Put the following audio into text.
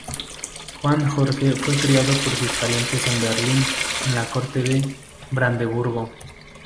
Juan Jorge fue criado por sus parientes en Berlín en la corte de Brandeburgo.